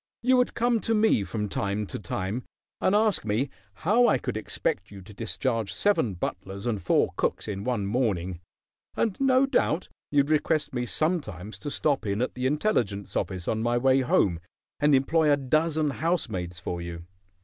You would come to me from time to time and ask me how I could expect you to discharge seven butlers and four cooks in one morning, and no doubt you'd request me sometimes to stop in at the intelligence office on my way home and employ a dozen housemaids for you."